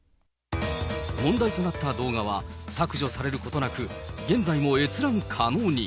問題となった動画は、削除されることなく、現在も閲覧可能に。